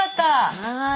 はい。